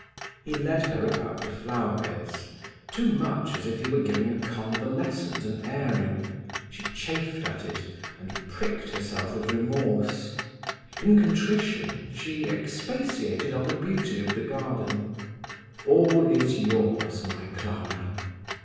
He led her about the flower beds; too much as if he were giving a convalescent an airing. She chafed at it, and pricked herself with remorse. In contrition she expatiated on the beauty of the garden. "All is yours, my Clara."